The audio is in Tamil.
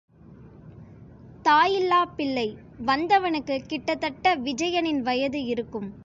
தாயில்லாப் பிள்ளை வந்தவனுக்கு கிட்டத்தட்ட விஜயனின் வயது இருக்கும்.